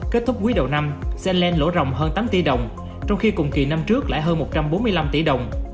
kết thúc quý đầu năm senleng lỗ rộng hơn tám tỷ đồng trong khi cùng kỳ năm trước lãi hơn một trăm bốn mươi năm tỷ đồng